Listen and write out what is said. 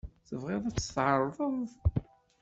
Tebɣiḍ ad tɛerḍeḍ-t?